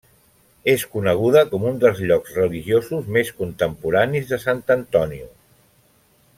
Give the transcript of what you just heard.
És coneguda com un dels llocs religiosos més contemporanis de San Antonio.